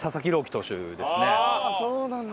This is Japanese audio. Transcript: そうなんだ。